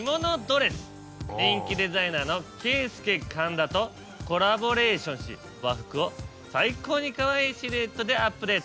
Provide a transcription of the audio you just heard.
人気デザイナーのｋｅｉｓｕｋｅｋａｎｄａとコラボレーションし和服を最高にかわいいシルエットでアップデート。